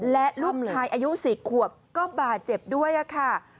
และลูกชายอายุ๔ขวบก็บาดเจ็บด้วยค่ะ